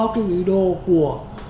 cái ý đồ của